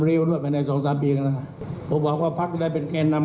เร็วด้วยไปใน๒๓ปีกันนะครับผมว่าพักได้เป็นเครนนำ